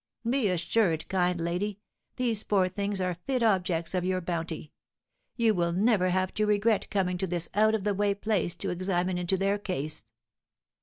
Be assured, kind lady, these poor things are fit objects of your bounty; you will never have to regret coming to this out of the way place to examine into their case.